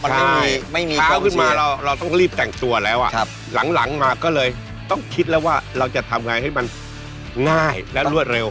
ตอนนี้เช้าขึ้นมาเราต้องรีบแต่งตัวแล้วหลังมาก็เลยต้องคิดแล้วว่าเราจะทำไงให้มันง่ายและรวดเร็ว